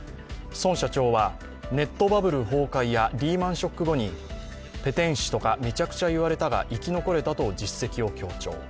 孫社長はネットバブル崩壊やリーマン・ショック後にペテン師とかめちゃくちゃ言われたが生き残れたと実績を強調。